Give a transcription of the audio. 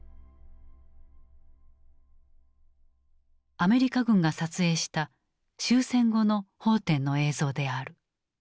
アメリカ軍が撮影した終戦後の奉天の映像である。